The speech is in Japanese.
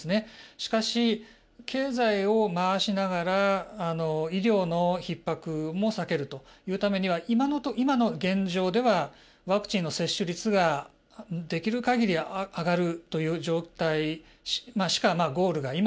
しかし、経済を回しながら医療のひっ迫も避けるというためには今の現状ではワクチンの接種率ができる限り上がるという状態しかゴールが今はないと。